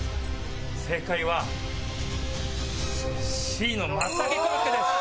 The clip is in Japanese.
正解はＣの松茸コロッケです。